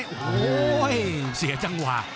โอ้โหเสียจังหวะ